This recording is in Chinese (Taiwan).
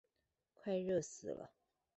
快熱死了